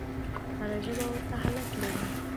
هره ژبه ورته حالت لري.